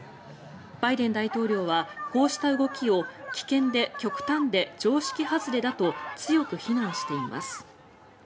バイデン大統領はこうした動きを危険で極端で常識外れだと強く非難しています。